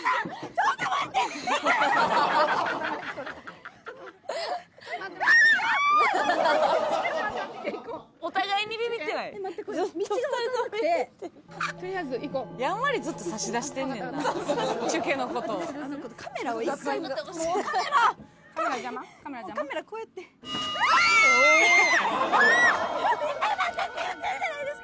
ちょっと１回待ってって言ってるじゃないですか！